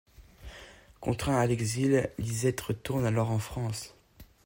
Contraint à l'exil, Lisette retourne alors en France.